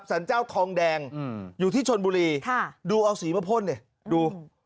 สรรเจ้าทองแดงอยู่ที่ชนบุรีค่ะดูเอาสีมาพ่นดิดู